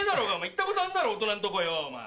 行ったことあんだろ大人んとこよお前。